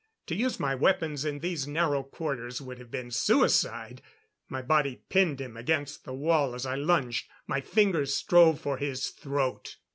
To use my weapons in these narrow quarters would have been suicide. My body pinned him against the wall as I lunged; my fingers strove for his throat.